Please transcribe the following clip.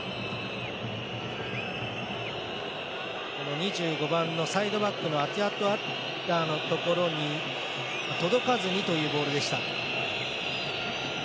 ２５番のサイドバックのアティアトアッラーのところに届かずにというボールでした。